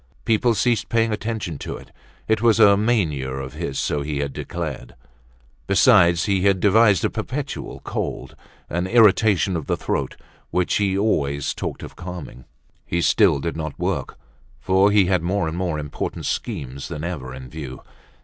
People ceased paying attention to it, it was a mania of his so he had declared. Besides, he had devised a perpetual cold, an irritation of the throat, which he always talked of calming. He still did not work, for he had more and more important schemes than ever in view.